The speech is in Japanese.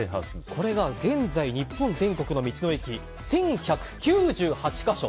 これが現在、日本全国の道の駅１１９８か所。